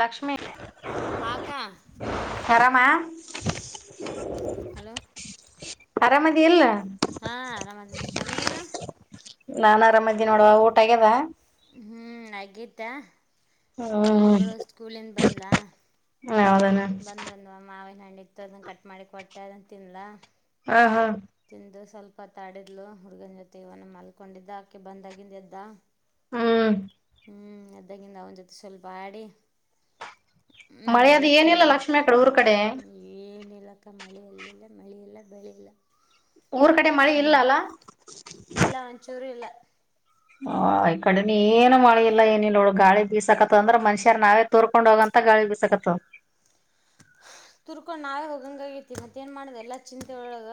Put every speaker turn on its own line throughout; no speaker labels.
ಲಕ್ಷ್ಮಿ,
ಹಾಕ್ಕ
ಹರಾಮ. [unintelligible]
ಹಲೋ. [inaudible]
ಆರಾಮಾಗಿ, ನಿಲ್ಲು.. [inaudible]
ಹಾ, ಆರಾಮದಕ್ಕ ನೀನು? [inaudible]
ನಾನ್, ಆರಾಮ್ದೀ ನೋಡುವ ಊಟ ಆಗ್ಯದ? [inaudible]
ಹ್ಮ್ ಅಗಿತಾ
ಹ್ಮ್
ಮಗಳು ಸ್ಕೂಲಿನ್ ಬಂದ್ಲ.
ಹೌದನ
ಬಂದ್ ಒಂದ್ ಮಾವಿನ ಹಣ್ಣು ಇತ ಅದನ್ನ ಕಟ್ ಮಾಡಿ ಕೊಟ್ಟೆ ಅದಂತ ತಿನ್ಲಾ.
ಹಾ ಹಾ
ಪತಾಡಿದ್ಲು ಹುಡ್ಗನ್ ಜೊತೆ ಇವನ ಮಲ್ಕೊಂಡಿದ್ದ ಆಕೆ ಬಂದಾಗಿಿಂದ ಎದ್ದ.
ಹ್ಮ್
ಹ್ಞೂ ಎದಾಗಿಂದ ಅವನ ಜೊತೆ ಸ್ವಲ್ಪ ಆಡಿ ನಾನು
ಮಳೆ ಅದು
ಮಲತ್
ಏನಿಲ್ಲ ಲಕ್ಷ್ಮಿ ಅ ಊರ ಕಡೆ
ಇಲಕ್ಕ ಮಳೆ ಅಲ್ಲಲ್ಲ ಮಳೆ ಇಲ್ಲ ಬೆಳೆ ಇಿಲ್ಲ
ಊರ್ ಕಡೆ ಮಳೆ ಇಲ್ಲ
[unintelligible]
ಅಲ್ಲ
ಇಲ್ಲ ಮಂಚೂರು ಇಲ್ಲ
ಹ ಈ ಕಡೆ ಏನು ಮಳ ಇಿಲ್ಲಾ ಏನಿಲ್ಲ ನೋಳ ಗಳಿ ಬೀಸಾಕತ್ತ ಅಂದ್ರ ಮನುಷ್ಯರ ನಾವೇ ತೋರ್ಕೊಂಡ್ ಹೋಗಂತ ಗಾಳಿ ಬೀಸ ಕತ್ತವ್
ಹಕೊಂಡ ನಾವೇ ಹೋಗಂಗ ಆಗತಿ ಮತ್ತೇ ಏನ್ ಮಾಡುದು ಎಲ್ಲ ಚಿಂತೆ ಒಳಗ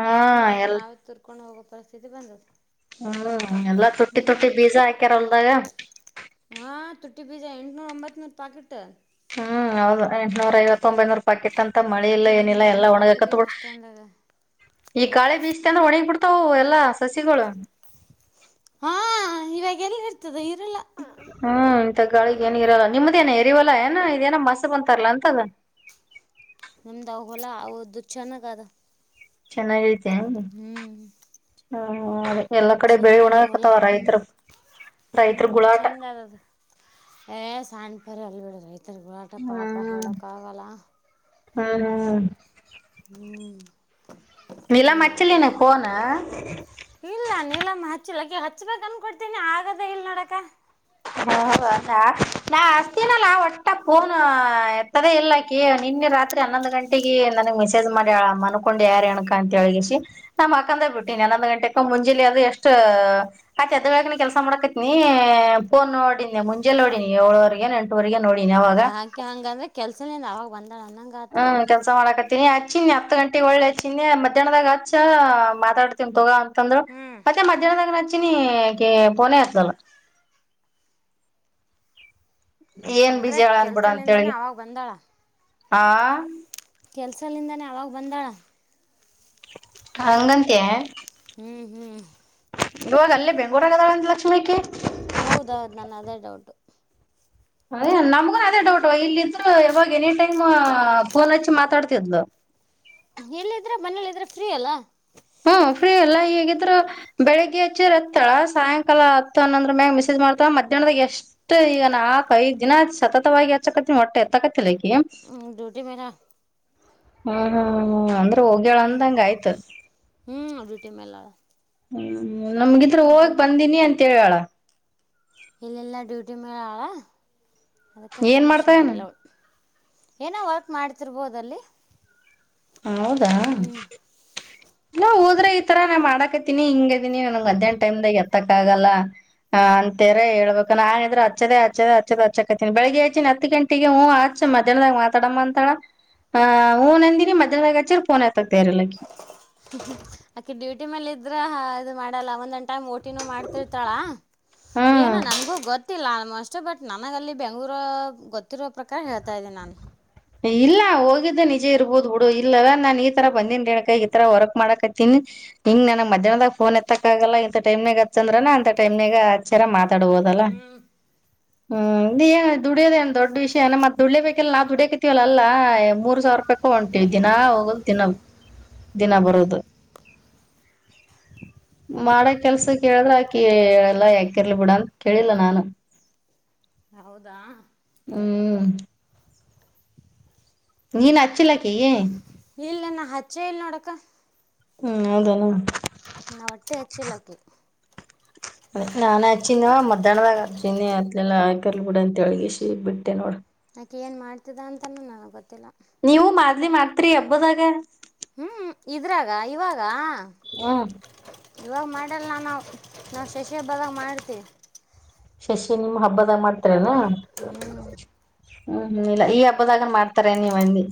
ಹಾ
ಸಣ್ಣ ಆಗಿ
ಎಲ್ಲ
ನಾವೇ ತೂರ್ಕೊಂಡು ಹೋಗೋ ಪರಿಸ್ಥಿತಿ ಬಂದದ
ಹ್ಮ್ ಎಲ್ಲಾ ತುಟ್ಟಿ ತುಟ್ಟಿ ಬೀಜ ಹಾಕ್ಯಾರ ಹೊಲ್ದಾಗ
ಹಾ ತುಟ್ಟಿ ಬೀಜಾ ಎಂಟನೂರ ಒಂಬತ್ ನೂರ್ ಪಾಕೆಟ್
ಹ್ಮ್ ಹೌದು ಎಂನೂರ ಐವತ್ತೊ ಒಂಬೈನೂರ ರೂಪಾಕಿಟ್ ಅಂತ ಮಳೆ ಇಲ್ಲ
ಹ್ಞೂ
ಏನಿಲ್ಲ ಎಲ್ಲ
ಒಂದು
ಒಣಗಾಕತ್
ಪಾಕೆಟಿಗೆ ಅಷ್ಟು ಅಂದಾಗ
ಈ ಕಾಳೆ ಬೀಸ್ ಒಣಗ ಬಿಡ್ತಾವ ಎಲ್ಲಾ ಸಸಿಗಳು
ಹಾ ಇವಾಗ ಎಲ್ಲಿ ಇರ್ತದೆ ಇರಲ್ಲ
ಹ್ಮ್ ಇಂತ ಗಾಳಿ ಏನ್ ಇರಲ್ಲ ನಿಮ್ದೇನ ಎರಿವಲ್ಲ ಏನ ಇದೇನ ಮಸ ಬಂತಾರಲ್ಲಾ ಅಂತದ [unintelligible]
ನಮ್ದ ಹೊಲ ಅವದು ಚೆನ್ನಾಗ ಅದ
ಚೆನ್ನಾಗೈತಿ
ಹ್ಮ್
[unintelligible] ಎಲ್ಲಾ ಕಡೆ ಬೆಳಿ
ಚೆಂದದ ಹೊಲ
ಉಣಕತಾವ
ಹ್ಮ್
ರೈತರು ರೈತರು
ಹ್ಞೂ
ಗುಳಾಟ
ಚೆಂದ ಅದದು ಏ ಸಣ್ಣಪರಿ ಅಲ್ ಬಿಡ ರೈತರ್ ಗಳಾಟ ಪಾಪ ಹೇಳಕ್ ಆಗಲ್ಲ.
ಹ್ಮ ಹ್ಮ
ಹ್ಮ್ ಏನ್
ನೀಲಮ್ಮ ಹಚ್ಚಿಲ್ಲೇನ
ಮಾಡ್ಬೇಕಂತ
ಫೋನ
ಇಲ್ಲ ನೀಲಮ್ಮ ಹಚ್ಚಲಕ್ಕೆ ಹ ಹಚ್ಬೇಕಕ್ ಅಂದಕೊಡ್ತೀನಿ ಆಗದ ಇಲ್ ನೋಡಕ.
ಹಾ ನಾ ಅಸ್ತಿನಲ್ಲಾ ಒಟ್ಟ ಫೋನ್ ಎತ್ತದೇ ಇಲ್ಲ ಆಕೀ ಕೇಳ್ ಇನ್ನೆ ರಾತ್ರಿ ಹನ್ನೊಂದು ಗಂಟೆಗೆಗ ನನಗ್ ಮೆಸೇಜ್ ಮಾಡ್ಯಾಳ ಮನ್ಕೊಂಡ್ಯ ರೇಣುಕಾ [unintelligible] ಅಂತ ನಮ್ಮ ಮಕ್ಕಂದ್ ಬಿಟ್ಟಿ ಹನ್ನೊಂದ್ ಗಂಟೆಕ ಮುಂಜೆಲಿ ಅದು ಎಷ್ಟ ಆಯ್ ಅದ ಬೆಳಗ್ನ ಕೆಲ್ಸ ಮಾಡಕತ್ತಿನಿ. ಫೋನ್ ನೋಡಿನಿ ಮುಂಜಲ್ ನೋಡನಿ ಏಳುವರೆಗೆ ಎಂಟೂವರೆಗೆ
ಹಾಗಾಕೆ ಹಂಗಂದ್ರೆ ಕೆಲ್ಸನೇನ್ ಅವಾಗ ಬಂದ್
ಹ್ಮ್ ಕೆಲ್ಸ ಮಾಡಕತ್ ಹಚ್ಚಿನಿ ಹತ್ತು ಗಂಟೆಗೆ ಒಳ್ಳೆ ಹಚ್ಚಿನಿ ಮಧ್ಯಾಹ್ನದಾಗ ಆಚ್ಚ ಮಾತಾಡ್ತೀನ್ ತೊಗ ಅಂತ ತಂದ್ರ
ಹ್ಮ್
ಮತ್ತೆ ಮಧ್ಯಾಹ್ನದಾಗ ನಚ ನೀ ಪೋನ ಎತ್ತಲ್ಲ. ಏನ್
ಅಂದ್ರೆ
ಬಿಜಿ ಅಳ
ಕೆಲ್ಸಲಿಂದಾನೇ ಅವಾಗ ಬಂದಳ.
ಹಾ
ಕೆಲಸಲಿಂದನೇ ಆವಾಗ ಬಂದಾಳ.
ಹಂಗಂತಿಯಾ
ಹ್ಮ್ ಹ್ಮ್
ಇವಾಗ ಅಲ್ಲಿ ಬೆಂಗಗಳೂರ್ ಗದಳೆಂತ ಲಕ್ಷ್ಮೀಕಿ.
ಹೌದೌದು ನನ್ ಅದೇ ಡೌಟ್
ಅದೇ ನಮ್ಗು ಅದೇ ಡೌಟ್ ಇಲ್ಲಿದ್ರು ಇವಾಗ ಎನಿ ಟೈಮ್ ಫೋನ್ ಹಚ್ಚಿ ಮಾತಾಡ್ತಿದ್ಲು. [unintelligible]
ಎಲ್ಲಿದ್ರೆ ಮನೇಲಿದ್ರೆ ಫ್ರೀ ಅಲ್ಲ.
ಹಾ ಫ್ರೀ ಎಲ್ಲ ಹೇಗಿದ್ರ ಬೆಳಿಗ್ಗೆ ಹಚ್ಚ ಹತ್ತಾಳ ಸಾಯಂಕಾಲ ಹತ್ತು ಅನ್ನಂದ್ರ ಮ್ಯಾಗ ಮಿಸಸೇಜ್ ಮಾಡ್ತಾ ಮತ್ತೆ ದಿನದಾಗ ಎಷ್ಟು ಈಗ ನಾ ೈದು ದಿನ ಸತತವಾಗಿ ಎಚ್ಚಕತಿ ಒಟ್ಟ ಎತ್ತಕತಿಲಿ
ಹೂ ್ಯಟಿ ಮೇಲೆ
ಹೂ ಹೂ ಹೂ ಅಂದ್ರೆ ಹೋಗ್ಯೇಳ ಅಂದಂಗ ಆಯ್ತ
ಹೂ ಅದೇ ಟೈಮ್ ನಲ್ಲಿ ಅದೇ
ಹೂ ನಮ್ಗಿದ್ರರು ಹೋಗ ಬಂದನಿ ಅಂತ ಹೇಳಳ
ಇಲ್ಲೆಲ್ಲ ಡ್ಯೂಟಿ ಮೇಲೆ ಆಳ ಅದಕ್ಕೆ
ಏನ್
ಫೋನ್ ರಿಷೀವ್
ಮಾಡ್ತಾಳೇನ
ಮಾಡಿಲ್ಲ ಅವಳು ಏನೋ ವರ್ಕ್ ಮಾಡ್ತಿರ್ಬೋದಲ್ಲಿ
ಹೌದಾ ನಾ ಹೋದ್ರೆ ಈ ತರ ನಾನ್ ಮಾಡಾಕತ್ತೀಿನಿ ಹಿಂಗ ಇದೀನಿ ನನ್ಗೆ ಮಧ್ಯಾಹ್ ಟೈಮ್ಾಗ ಎತ್ತಕ್ ಆಗಲ್ಲ ಹ ಅಂತೇರ ಹೇಳ್ಬೇಕು ನಾನ್ಿದ್ರೆ ಹಚ್ಚದ ಹಚ್ಚದೆ ಹಚ್ಚದ ಹಚ್ಚಕತ್ತತಿನಿ ಬೆಳಿಗ್ಗೆ ಆಚ್ಚಿನ ಹತ್ ಗಂಟೆಗೆ ಹೂ ಆಯ್ತು ಮಧ್ಯಾಹ್ನದಾಗ ಮಾತಾಡಮ್ಮ ಅಂತ ಹೂ ಅಂದಿನಿ ಮ ಮಧ್ಯಾನ ಹಚ್ಚಿದ್ರು ಏತಕ್ಕ ತಯಾರು ಇಲ್ಲ ಆಕಿ
ಆಕಿ ಡ್ಯೂಟಿ ಮೇಲೆ ಇದ್ರ ಹಾ ಇದು ಮಾಡಲ್ಲ ಒಂದ್ಂಟ ಟೈಮ್ ಓಟಿನ ಮಾಡ್ತಿರ್ತಾಳ
ಹ್ಮ್
ಏನ ನಮಗೂ ಗೊತ್ತ ಗೊತ್ತಿಲ್ಲ ಆಲ್ಮೋಸ್ಟ್ ಬಟ್ ನನಗ ಅಲ್ಲಿ ಬೆಂಗಳೂರು ಗೊತ್ತಿರೋ ಪ್ರಕಾರ ಹೇಳ್ತಾ ಇದ್ದನಿ ನಾನ್
ಇಲ್ಲ ಹೋಗಿದ್ದೆ ನಿಜೇ ಇರ್ಬೋದು ಹುಡು ಇಲ್ಲವ ನಾನ್ ಈ ತರ ಬಂದೇನ್ಿ ರೇಣಕ ಈ ತರ ವರ್ಕ್ ಮಾಡಕತೀನಿ ಹಿಂಗ ನನ ಮಧ್ಯಾಹ್ದಾಗ ಫೋನ್ ಎತ್ತಕ್ಕಗಲ್ಲ ಇಂತ ಟೈಮ್ಾಗಗ್ ಹತ್ಂದ್ರನ ಅಂತ ಟೈಮ್ನ ಆಚರ ಮಾ ತಡಬೋದಲ್ಲ
ಹ್ಮ್
ಹೂ ನೀ ಏ ದುಡೋದ ನ್ ದೊಡ್ ವಿಷಯನ ಮತ್ತ ದುಡಿಯೇಬೇಕೇಕಲ್ಲ ನಾ ದುಡ್ಯ ಇತವಲ್ಲಲ್ಲಾ ಮೂರ್ ಸಾವಿರ ರೂಪಾಯಕ ಹೊಂಟಿವವಿ ದಿನಾ ಹೋಗಲ್ ದಿನ ದಿನ ಬರೋದು ಮಾಡ ಕೆಲ್ಸಕ್ ಹೇಳಿದ್ರ ಆಕಿ ಹೇಳಲ್ಲ ಯಾಕಿರ್ಲಿ ಬಿಡ ಅಂತ ಕೇಳಿಲ್ಲ ನಾನು
ಹೌದಾ
ಹೂ ನೀನ್ಚ್ಚಲಕ್ಕ ಏ
ಇಲ್ಲ ನಾ ಹಚ್ಚ ಇಲ್ಲ ನೋಡಕ
ಹ್ಮ್ ಹೌದೇನು
ನಾ ಒಟ್ಟೆ ಹಚ್ಚಲಕ್ಕೆ
ಅದ ನಾನ್ ಆಚೀನ್ವ ಮಧ್ಯಾಹ್ನದಾಗ ಆತೀನ್ಿ ಅತ್ಲೆಲ್ಲ ಹಾಕರ್ಲ್ ಬಿಡ ಅಂತ ಹೇಳಳ್ಗಿಸಿ ಬಿಟ್ಟೆ ನೋಡು
ಮತ್ತೇನು ಏನ್ ಮಾಡ್ತಿದ ಅಂತನೂ ನನಗ್ ಗೊತ್ತಿಲ್ಲ
ನೀವು ಮಾಡದ್ಲಿ ಮಾಡ್ತ್ರಿ ಹಬ್ಬದಾಗ
ಹೂ ಇದ್ರಾಗ ಇವಾಗ
ಹೂ
ಇವಾಗ ಮಾಡ್ಯಲ್ಲ ನಾ ನಾವು ಶಶಿ ಹಬ್ಬದಾಗ ಮಾಡ್ತೀವಿ
ಶಶಿ ನಿಮ್ ಹಬ್ಬದ ಮಾಡ್ತಾರೆನಾ
ಹ್ಞೂ
ಹೂ ಹೂ ಇಲ್ಲ ಈ ಹಬ್ಬದಾಗನ್ ಮಾಡ್ತಾರೇ ನೀವಂದಿ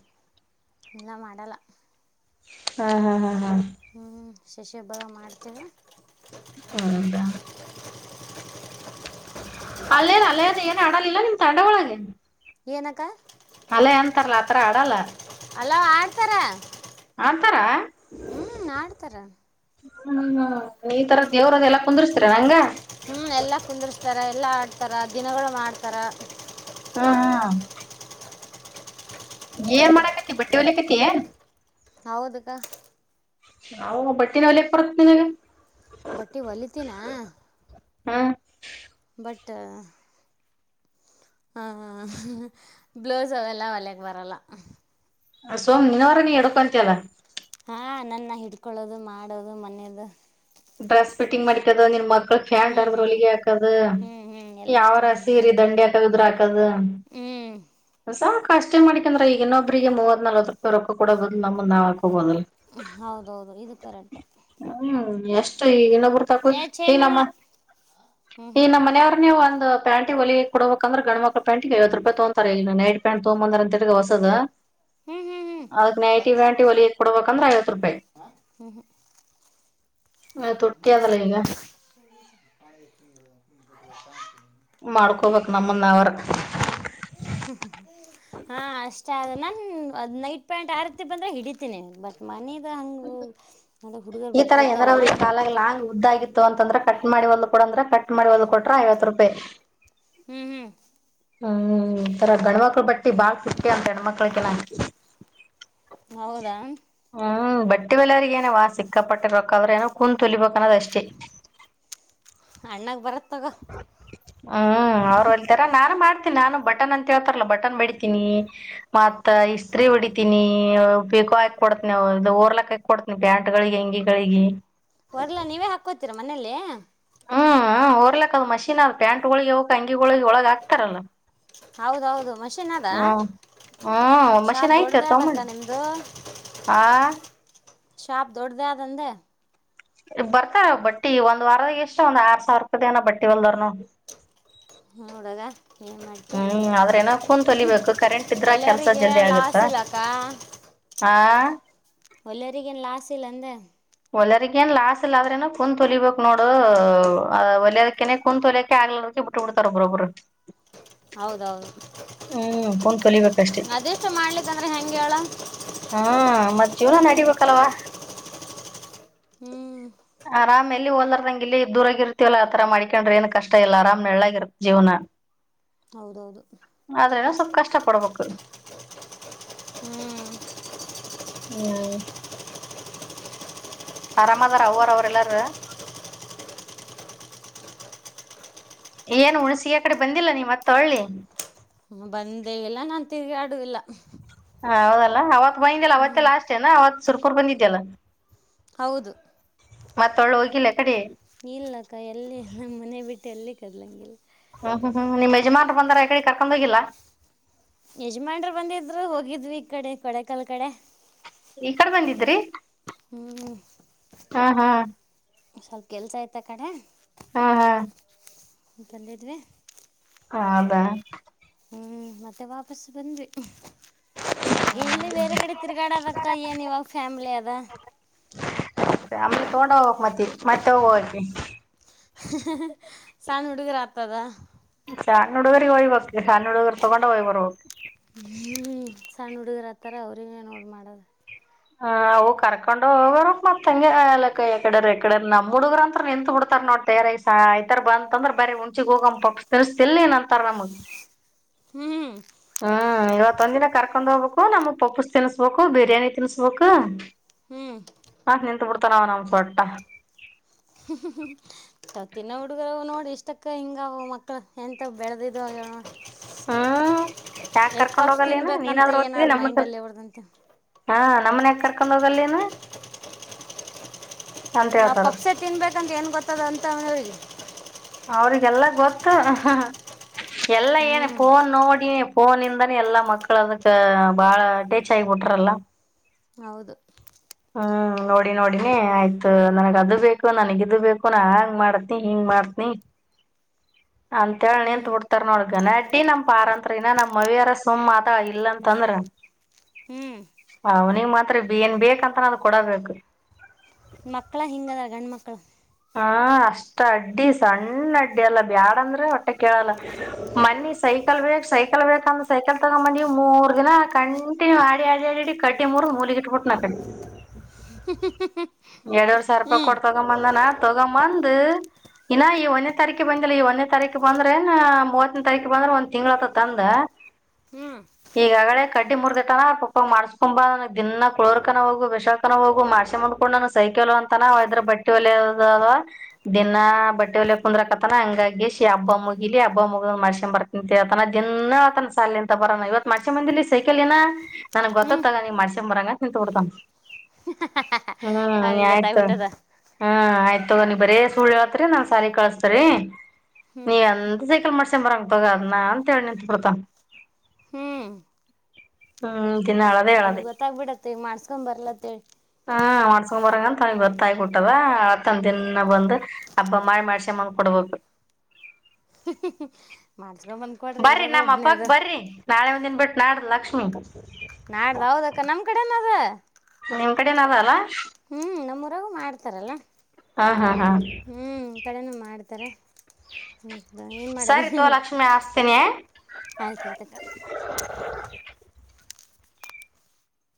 ಇಲ್ಲ ಮಾಡಲ್ಲ
ಹಾ ಹಾ ಹಾ ಹಾ
ಹೂ ಶಶಿ ಹಬ್ಬ ಮಾಡ್ತೇರ
ಹೌದಾ ಅಲ್ಲೇಲ್ಲ ಅಲ್ಲೇದು ಏನ್ ಆಡಲಿಲ್ಲ ನಿಮ್ ತಂಡ ಒೊಳಗೇ
ಏನಕ್ಕ
ಅಲ್ಲ ಅಂತಾರಲ್ಲ ಆತ್ರ ಆಡಲ್ಲ
ಅಲ್ಲ ಆಡ್ತಾರ
ಆತರ
ಹ್ಮ್ ಆಡ್ತಾರ
ಈ ತರ ದೇವ್ರದೆ ಎಲ್ಲಾ ಕುಂದರ್ಸ್ತ್ರ ನಂಗ
ತರ ದಿನಗಳು ಮಾಡ್ತಾರ
ಹಾ ಹಾ ಏನ್ ಮಾಡಕತಿ ಬಟ್ಟೆ ಒಲಕತಿ ಏನ್
ಹೌದಕ್ಕ
ಹಾವ ಬಟ್ಟಿನ ಒಲೆಕಬರತನಿನಗ
ಬಟ್ಟಿ ಹೊಲಿತೀಿನ
ಹಾ
ಬಟ್ ಹ್ಮ್ ಬ್ಲೌಸ್ ಅವೆಲ್ಲ ಒಲೆಕ್ ಬರಲ್ಲ
ಸೋಮ್ ನಿನ್ವರ ನೀ ಎಡಕೊಂತ ಅಲ್ಲ
ಹಾ ನನ್ನ ಹಿಡ್ಕೊಳ್ಳೋದು ಮಾಡೋದು ಮನೇದು
ಡ್ರೆಸ್ ಫಿಂಗ್ ಮಾಡಕದ ನಿ ಮ ಮಕ್ಕಳ ಫ್ಯಾನ್
ಹ್ಮ್
ರದರು
ಹ್ಮ್
ವಲಿಗೆ ಹಾಕದ
ಹ್ಮ್ ಹ್ಮ್ ಎಲ್ಲಷ್ಟು
ಯಾವರ
ನಾನೇ
ಸೀರೆ
ಮಾಡ್ಕೊಂಡು
ದಂಡಿ ಹಾಕದ್ರ ಹಾಕದ
ಹ್ಮ್
ಸ ಕಷ್ಟೇ ಮಾಡ್ಿಕಂದ್ರೆ ಈಗ ಇನ್ನೊಬ್ರಿಗೆ ಮೂವತ್ ನಲ್ವತ್ ರೂಪಾಯಿ ರೊಕ್ಕ ಕೊಡಬಹದು್ ನಮ್ಮನ್ಾವ
ಹೌದೌದು ಇದು ಕರೆಕ್ಟು
ಹ್ಮ್ ಎಷ್ಟು ಈ ಇನ್ನೊಬರು ತಾಕು
ಏ ಛೇ
ಈ
ಮಾಮ
ನಮ್ಮ
ಹ್ಮ್
ಈ
ಹ್ಮ್
ನಮ್ಮ ಮನೆಯವಾರ್ ನೀವು ಒಂದು ಪ್ಯಾಂಿಗೆ ಹೊಲಿ ಕೊಡಬೇಕಂದ್ರೆ ಗಂಡ ಮಕ್ಳ ಪ್ಯಾಂ ಐವತ್ತು ರೂಪಾಯ ತೋಂತಾರೆ ಇಲ್ಲ ನೈಟ್ ಪ್ಯಾಟ್ ತಗೊಂಬಂದ ಅಂತಸ ದ
ಹ್ಮ್ ಹ್ಮ್ ಹ್ಮ್
ಅದಕ್ ನೈಟಿವ ನಟಿ ಒಲ ಕೊಡ್ಬೇಕಂದ್ರೆ ಐವತ್ತು ರೂಪಾಯಿ ತುಟ್ಟಿ ಅದಲ್ಲ ಈಗ
ಹ
ಮಾಡ್ಕೋಬೇಕು ನಮ್ಮನ್ನು ಅವರು
ಹ್ಮ ಹ್ಮ್ ಹಾ ಅಷ್ಟ ಆದ ನಾ ಅದ್ ನೈಟ್ ಪ್ಯಾಂಟ್ ಆರ್ತಿ ಬಂದ್ರೆ ಹಿಡಿತೀನಿ ಬಟ್ ಮನ ಅ
ಈ ತರ ಏನಾರ ಅವ್ರ ಈ ಕಾಲ ಲಾಂಗ್ ಉದ್ದಾಗಿತ್ತು ಅಂತಂದ್ರೆ ಕಟ್ ಮಾಡಿ ಒಂದು್ ಕೊೂಡ ಅಂದ್ರ ಕಟ್ ಮಾಡಿ ಒದ ಕೊಟ್ರ ಐವತ್ತು ರೂಪಾಯಿ
ಹ್ಮ್ ಹ್ಮ್
ಹ್ಮ್ ತರ ಗಂಡ್ಮಕ್ಳ ಬಟ್ಟಿ ಬಾಳ್ ಸುಟ್ಟಿ ಅವ ಹೇಣಮಕ್ಕಳುಕಿನ್
ಹೌದಾ
ಹ್ಮ್ ಬಟ್ಟೆಲ್ಲರಿಗೆಗ ಏನ ವಾ ಸಿಕ್ಕಪಟ್ಟಿರಕಕ್್ರ ಏನೋ ಕುೂ ತುಲಿಬೇಕಕ್ ಹನದಷ್ಟೇ
ಅಣ್ಣಾಗ ಬರತ್ ತಗೋ
ಹ್ಮ್ ಅವರು ಹೊಳ್ತರ ನಾ ನ ಮಾಡ್ತೀನಿ ನಾನು ಬಟನ್ ಅಂತ ಹೇತಾರಲ್ಲ ಬಟನ್ ಬಿಡಿತೀನಿ ಮ ಇಸ್ತ್ ಹೊಡಿತನಿ ಪಿಕೋ ಹಾಕ್ ಕೊಡ್ತಿವು ಇದು ಓರ್ಲಕ್ ಹಾಕ್ ಕೊಡ್ತನಿ ಪ್ಯಾಂಟ್ಗಳಿಗೆ ಹೆ ಅಂಗಿಗಳಿಗೆ
ಹೊರ್ಲಾ ನೀವೇ ಹಾಕೋತೀರಾ ಮನೇಲ್ಲೇ
ಹ್ಮ್ ಹೊರ್ಲಕ್ ಅ್ ಮೀನ್ ಅದ್ ಪ್ಯಾಂಟ್ ಒಳಗಿ ಅವಕ್ ಅಂಗಿಗಳಳಗೆ ಒಳಗ ಆಾಕ್ತಾರಲ್ಲ
ಹೌದೌದು ಮಷೀನ್ ಅದ
ಹ್ಮ್ ಹ್ಮ್ ಮಷೆ
ಶಾಪ್
ಆತ
ದೊಡ್ಡದೇ
ತಮ್ಮ
ಅದಕ್ಕ ನಿಮ್ದು
ಆಾ
ಶಾಪ್ ದೊಡ್ಡ್ದ ಆದಂದೆ
ಬರ್ತಾರ ಬಟ್ಟಿ ಒಂದ್ ವಾರದಾಗ ಎಷ್ಟ ಒಂದ್ ಆರ್ ಸಾವಿರಪದನ ಬಟ್ಟಿ ಹೊಲ್ದರ್ನು
ಮೂಡಗ ಏನ್ ಮಾಡೆ
ಆದ್ರ ಏನೋ ಕುಂತ್ ಹೊಲಿಬೇಕು ಕರೆಂಟ್ ಇದ್ರ
ಒಲೆಯವರಿಗೆ ಲಾಸ್ ಇಲ್ಲಕ್ಕ
ಆಾ
ಒಳ್ಳ ಅರಿಗನ್ ಲಾಾಸ ಇಲ್ಲ ಅಂದ
ಒಲ್ಯರ್ಗ ಏನ್ ಲಾಸ್ ಇಲ್ಲ ಆದ್ರೇನ ಕುೂ್ ತೊಲಿಬೇಕು ನೋಡು ಹೊಲಯದಕನೆ ಕುೂ್ ತೊಲಿಯಕೆ ಆಗ್ಲ ಬಿಟ್ಟು ಬಿಡ್ತಾರ ಬರಬರು
ಹೌದೌದು
ಹ್ಮ್ ಕುೂಣಕಲಿಬೇಕಷ್ಟೇ
ಅದೆಷ್ಟು ಮಾಡ್ಲಿಕ್ಕಂದ್ರೆ ಹೆಂಗೆ ಹೇಳ
ಹಾ ಮತ್ತ ಜೀವನ್ ನಡಿಬೇಕಲ್ವಾ
ಹ್ಞ
ಆರಾಮ್ ಎಲ್ಲಿ ಹೋದಾರದಂಗಗೆ ಇಲ್ಲಿ ದೂರಾಗಿರ್ತವಲ್ಲ ಆತರ ಮಾಡ್ಕೊಂಡ್ರೆ ಏನ್ ಕಷ್ಟ ಇಲ್ಲ ಅರಾಮ್ ನಳ್ಳಳಾಗಿತ್ತ ಜೀವನ
ಹೌದೌದು
ಅಲ್ಲ ಸ ಕಷ್ಟಪಡಬೇಕಕ್
ಹ್ಮ್
ಹ್ಮ್ ಆರಾಮದಾರ ಅವರ ಅವ್ರಲ್ಲಾರ ಏನು ಹುಣ್ಸಿಗೆ ಕಡೆ ಬಂದಿಲ್ಲ ನೀ ಮತ್ತಳ್ಳಿ
ಹ್ಮ ಬಂದೇ ಎಲ್ಲ ನಾನ್ ತಿರುಗಾಡುದಿಲ್ಲ.
ಹ ಹೌದಲ್ಲಾ ಅವತ್ ಬೈಂದಿದಲ್ಲ ಅವತ್ತೇ ಲಾಸ್ಟೆನಾ ಅವತ್ ಸುರ್ಕೂರ್ ಬಂದಿದ್ದ್ಯಲ್ಲ.
ಹೌದು
ಮತ್ತ ಒಳ್ಳು ಹೋಗಿಲ್ಲ ಯಕಡಿ.
ಇಲ್ಲಕ್ಕ ಎಲ್ಲಿ ನಮ್ಮ್ ಮನೆ ಬಿಟ್ಟು ಎಲ್ಲಿ ಕದಲಂಗಿಲ್ಲ.
ಹ್ಮ್ ಹ್ಮ್ ಹ್ಮ್ ನಿಮ್ಮ್ ಯಜಮಾನ್ರು ಬಂದಾರ ಯ ಕಡೆ ಕಾರ್ಕೊಂಡ್ ಹೋಗಿಲ್ಲಾ.
ಯಜಮಾನ್ರು ಬಂದಿದ್ರು ಹೋಗಿದ್ವಿ ಈ ಕಡೆ ಕೊಡೆಕಾಲ್ ಕಡೆ.
ಈ ಕಡೆ ಬಂದಿದ್ರಿ.
ಹ್ಮ್
ಹಾ ಹಾ
ಸ್ವಲ್ಪ ಕೆಲ್ಸ ಇತ್ತ್ ಅ ಕಡೆ.
ಹಾ
ಬಂದಿದ್ವಿ
ಹ ಅದಾ.
ಹ್ಮ ಮತ್ತೆ ವಾಪಸ್ ಬಂದ್ವಿ. ಹಾಗೆ ಎಲ್ಲಿ ಬೇರೆ ಕಡೆ ತಿರ್ಗಾಡ ಅದಕ್ಕ ಏನಿವ ಫ್ಯಾಮ್ಲಿ ಅದ.
ಫ್ಯಾಮಿಲಿ ತಗೊಂಡ ಹೋಗಕ್ ಮತ್ತ ಮತ್ತೆ ಹೋಗಕ್ಕೆ.
ಸಣ್ಣ್ ಹುಡುಗರ ಆತದ.
ಸಣ್ಣ ಹುಡುಗರು ಇವ ಇವಕ್ಕೆ ಸಣ್ಣ ಹುಡುಗರು ತಗೊಂಡೆ ಹೋಯ್ ಬರಬೇಕು.
ಹ್ಮ್ ಸಣ್ಣ ಹುಡುಗರ ಹತ್ತಾರ ಅವ್ರಿಗೆ ನೋಡ್ ಮಾಡದು.
ಹ ಅವು ಕರ್ಕೊಂಡ ಹೋಗರು ಮತ್ ಹಂಗೆ ಎಲ್ಲಕ್ಕ ಎಕಡೆರ್ ಎಕಡೆ ನಮ್ ಹುಡುಗ್ರ ಅಂತ ನಿಂತ್ ಬಿಡ್ತ್ [unintelligible] ರ್ತಾರ್ ನೋಡು ತಯಾರಾಗಿ ಸಂಯ್ತರ ಬಂತಂದ್ರ ಬರ ಉುಂಚಿಗ್ ಹೋಗ ಪಕ್ಷ ತೆಗೆಸ್ತಿಲ್ಲೇನು ಅಂತಾರ ನಮ್ದ.
ಹ್ಮ್
ಹ್ಮ್ ಇವತ್ತೊಂದಿನ ಕರ್ಕೊಂಡ್ ಹೋಗ್ಬೇಕು ನಮ್ಗ್ ಪಪ್ಪುಸ್ ತಿನ್ಸ್ಬೇಕು ಬಿರಿಯಾನಿ ತಿನ್ಸ್ಬೇಕು.
ಹ್ಞೂ
ಹಾ ನಿಂತು ಬಿಡ್ತಾನ ಅವ ನಮ್ಮ ಸೊಟ್ಟ.
ಹ್ಮ ತ [unintelligible] ನ್ನೋ ಹುಡುಗರು ಅವ ನೋಡ್ ಇಷ್ಟಕ್ಕ ಹಿಂಗವು ಮಕ್ಕಳ ಎಂತ ಬೆಳದಿದ ಅವ
ಹ್ಮ್ ಯಾಕ ಕರ್ಕೊಂಡ್
ಪಪ್ಸ್
ಹೋಗಲ್ಲ ನ
ತಿನ್ಬೇಕಂತ
ನೀನಾದ್ರ ಹೊಗ್ತ್ಯ
ಏನಾದ
ನಮ
ಮೈಂಡಲ್ಲಿ
ಕರ್ಕೊಂಡ್
ಹೊಡ್ದಂತೆ
ಹಾ ನಮ್ಮನ್ಯಾಕ್ ಕರ್ಕೊಂಡ್ ಹೋಗಲ ನೀನು.
ನಾವು
ಹೇಳ್ತಾರ
ಪಪ್ಸೆ ತಿನ್ಬೇಕಂತ ಏನು ಗೊತ್ತದ ಅಂತ ಅವನ್ಗಹೇಳಿ.
ಅವ್ರಿಗೆಲ್ಲ ಗೊತ್ತು ಎಲ್ಲ ಏನ
ಹ್ಞೂ
ಫೋನ್ ನೋಡಿ. ಫೋನ ಇಂದಾನ ಎಲ್ಲಾ ಮಕ್ಕಳ ಅದಕ್ಕ ಬಾಳ ಅಟಚ್ ಆಗಿಬಿಟ್ರಲ್ಲ.
ಹೌದು
ಹ್ಮ್ ನೋಡಿ ನೋಡಿನಿ ಆಯ್ತು ನನ್ಗ ಅದು ಬೇಕು ನನಗಿದು ಬೇಕು ನಾ ಹಾಂಗ್ ಮಾಡತ್ನಿ ಹಿಂಗ್ ಮಾಡ್ತಿ ನಿ ಅಂತ ಹೇಳ
ಹ್ಞೂ
ನಿಂತ್ ಬಿಡ್ತಾರ ನೋಡ್ ಗಲಾಟ್ಟಿ ನಮ್ ಪಾರಂತ್ರ ಇನ್ನ ನಮ್ ಅವಿಯಾರ ಸುಮ್ ಅತ ಇಲ್ಲಂತಂದ್ರ.
ಹ್ಞೂ
ಅವನಿಗ್ ಮಾತ್ರ ಏನ್ ಬೇಕಂತಾನ ಅದು ಕೊಡದಬೇಕು.
ಮಕ್ಕಳ ಹಿಂಗದ ಗಂಡ ಮಕ್ಳು.
ಹ ಅಷ್ಟ ಅಡ್ಡಿ ಸಣ್ಣ ಅಡ್ಡಿ ಅಲ್ಲ ಬ್ಯಾಡ ಅಂದ್ರೆ ಹೊಟ್ಟೆ ಕೇಳಲ್ಲ ಮನಿ ಸೈ- [unintelligible] ಲ್ ಬೇಕು ಸೈಕಲ್ ಬೇಕಂದ ಸೈಕಲ್ ತಗ್ಂಬಂದಿವಿ ಮೂರ್ ದಿನ ಕಂಟಿನ್ಯೂ ಆಡಿ ಆಡಿ ಆಡಿ ಕಟ್ಟಿ ಮೂರ್ ಮೂ ಗ್ ಇಟ್ಬಿಟ್ನಾ ಆಕಡೆ.
ಹ್ಮ
ಎರಡು ವರೆ ಸಾವಿರ ರೂಪಾಯಿ ಕೊಟ್ ತಗೊಂಬಂದನಾ ತಗೊಂಬಂದು. ಇನ್ನ ಈ ಒಂದನೇ ತಾರೀಕ ಬಂದಿಲ್ಲ ಈ ಒಂದನೇ ತಾರೀಕ ಬಂದ್ರೇನ ಮೂವತ್ತನೇ ತಾರೀಕ ಬಂದ್ರೆ ಒಂದ್ ತಿಂಗ್ಳ ಅತತ ತಂದ. ಹ
ಹ್ಮ್..
ಈಗ ಆಗಡೆ ಕಡ್ಡಿ ಮುರ್ದೈತನ ಪಪ್ಪ ಮಾಡಸ್ಕೊಂಬ ದಿನ ಕುಳೋರ್ಕನ ಹೋಗು ವಿಶ್ಕನ ಹೋಗು ಮಾಡ್ಸಿ ಮು [unintelligible] ಡು ನೋಡ್ಕೊಂಡ್ ಸೈಕೆಲ್ ಅಂತ ಇದ್ರ ಬಟ್ಟೆ ಒಲಿ [unintelligible] ದಿನಾ ಬಟ್ಟೆ ವಲ್ಯಕ್ ಕುಂದ್ರಕತನ ಹಂಗಾಗಿಶಿ ಹಬ್ಬ ಮುಗಿಲಿ ಹಬ್ಬ ಮುಗ್ ಮಾಡಸಕ [unintelligible] ತಿತನ ದಿನ ಆತನ ಸಾಲ ಅಂತ ಬರೋ ಇವತ್ ಮಾಡಿಸ್ ಕಮ್ ಬಂದಿಲ್ಲಿ ಸೈಕಲ್ ನ ನನ್ಗ್
ಹ್ಞೂ
ಗೊತ್ತೊತ್ತ ತಗ ನಿ [unintelligible]
[inaudible]
ಹ್ಮ್
ಅವನಿಗೆ
ಆಯ್ತು
ಗೊತ್ತಾಗ್ಬಿಟ್ಟದ
ಹ್ಮ ಆಯ್ತು ತಕೊ ನಿನ್ ಬರೀ ಸುಳ್ಳು ಹೇಳಳ್ತ್ರಿ ನಾ ಸಾಲ ಕಳಸ್ತರೀ
ಹ್ಞೂ
ನೀವಂತ ಮೋಸ ಮಾಡಕಾತಾಡ್ದ ನನ್ನಅದನ್ನ ಅಂತಹೇಳಿ ನಿತ್ ಬಿಡ್ತ
ಹ್ಞೂ
ಹ್ಮ್ ದಿನ ಅಳ್ತಾ
ನನಗ್ ಗೊತ್ತಾಗ್ಬಿಡತ್ತ ಈಗ ಮಾಡ್ಸ್ಕೊಂಡ್ ಬರ್ಲತ್ತೇಳಿ
ಹಾ ಮಾಡಿಸ್ಕೊಂಡು ಬರಲ್ಲ ಅಂತ ತನಿಗೆ ಗೊತ್ತಾಗಬಿಟ್ಟದ ಅತ್ತಂದ ದಿನ ಬಂದ್ ಅಪ್ಪ ಮಾಡ್ ಮಾಡಿಸಿ ಕೊಡ್ಬೇಕು
[inaudible] ಮಾಡಿಸ್ಕೊಂಬಂದು ಕೊಡ್ರಿ
ಬರಿ
ಇರೋದ
ನಮ
ಒಬ್ಬನೇ
ಹಬ್ಬಕ್
ಅದ
ಬರ್ರಿ ನಾಳೆ ಒಂದನ್ ಬಿಟ್ ನಾಡ್ದ ಲಕ್ಷ್ಮಿ
ನಾಡ್ದ ಹೌದ ಅಕ್ಕ ನಮ್ ಕಡೆನು ಅದ
ನಿಮ್ ಕಡೆನು ಆದ ಅಲ್ಲ
ಹ್ಮ್ ನಮ್ಮೂರಾಗು ಮಾಡ್ತಾರಲ್ಲ
ಹಾ ಹಾ ಹಾ
ಕಡೆನು ಮಾಡ್ತಾರೆ ಹ್ಮ್ ಏನ್ ಮಾಡಣ
ಸರಿ ತೋ ಲಕ್ಷ್ಮಿ ಹಸ್ತೀನಿ.
ಆಯ್ತಾಯ್ತಕ್ಕ